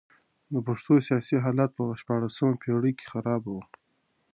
د پښتنو سیاسي حالت په شپاړلسمه پېړۍ کي خراب و.